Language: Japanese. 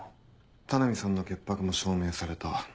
田波さんの潔白も証明された。